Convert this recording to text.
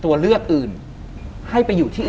ทำไมเขาถึงจะมาอยู่ที่นั่น